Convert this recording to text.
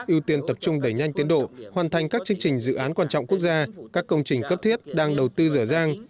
ưu tiên tập trung đẩy nhanh tiến độ hoàn thành các chương trình dự án quan trọng quốc gia các công trình cấp thiết đang đầu tư dở dàng